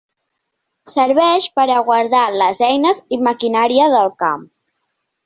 Serveix per a guardar les eines i maquinària del camp.